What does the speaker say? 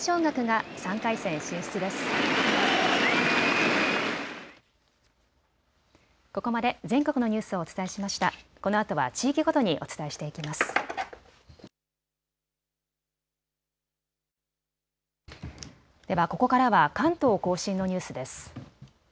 ではここからは関東甲信のニュースです。